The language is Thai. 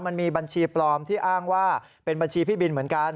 มันมีบัญชีปลอมที่อ้างว่าเป็นบัญชีพี่บินเหมือนกัน